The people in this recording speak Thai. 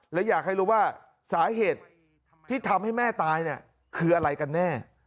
และอยากให้รู้ว่าสาเหตุที่ทำให้แม่ตายเนี่ยคืออะไรกันแน่